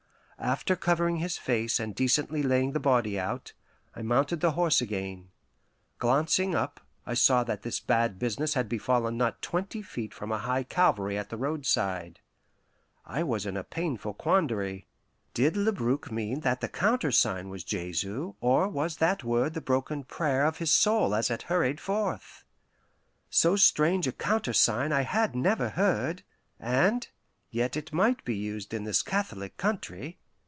After covering his face and decently laying the body out, I mounted the horse again. Glancing up, I saw that this bad business had befallen not twenty feet from a high Calvary at the roadside. I was in a painful quandary. Did Labrouk mean that the countersign was "Jesu," or was that word the broken prayer of his soul as it hurried forth? So strange a countersign I had never heard, and yet it might be used in this Catholic country.